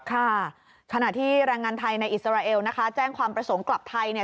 ค่ะขณะที่แรงงานไทยในอิสราเอลแจ้งความประสงค์กลับไทย